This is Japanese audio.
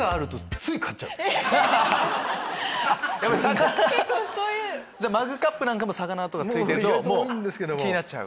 えぇ⁉魚？じゃあマグカップなんかも魚とかついてるともう気になっちゃう？